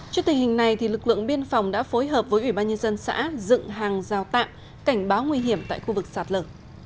trước tình hình này lực lượng biên phòng đã phối hợp với ủy ban nhân dân xã dựng hàng giao tạm cảnh báo nguy hiểm tại khu vực sạt lở